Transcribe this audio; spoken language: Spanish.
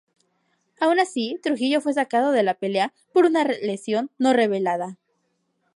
Aun así, Trujillo fue sacado de la pelea por una lesión no revelada.